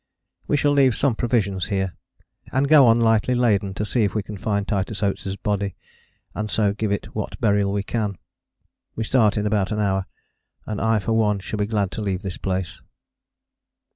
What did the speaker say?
We shall leave some provisions here, and go on lightly laden to see if we can find Titus Oates' body: and so give it what burial we can. We start in about an hour, and I for one shall be glad to leave this place.